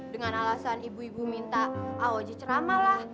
dengan alasan ibu ibu minta awaji ceramah lah